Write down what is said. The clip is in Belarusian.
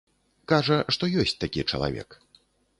Кажа, што ёсць такі чалавек.